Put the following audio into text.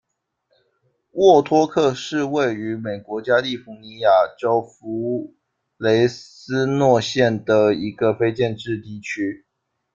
沃托克是位于美国加利福尼亚州弗雷斯诺县的一个非建制地区。